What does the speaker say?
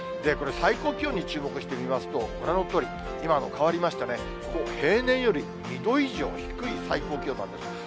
これ、最高気温に注目してみますと、ご覧のとおり、今、変わりましたね、平年より２度以上低い最高気温なんです。